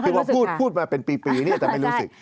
คือว่าพูดมาเป็นปีนี่อาจจะไม่รู้สึก